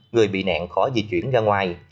người bị nạn khó di chuyển ra ngoài